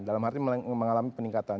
dalam arti mengalami peningkatan